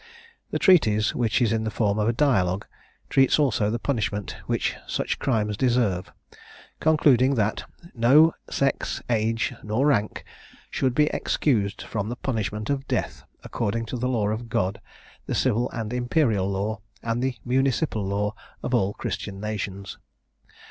The treatise, which is in the form of a dialogue, treats also of the punishment which such crimes deserve; concluding, that [Illustration: Meeting of Witches. P. 468.] "no sex, age, nor rank, should be excused from the punishment of death, according to the law of God, the civil and imperial law, and the municipal law of all Christian nations."